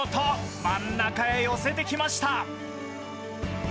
真ん中へ寄せてきました！